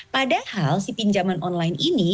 padahal si pinjaman online ini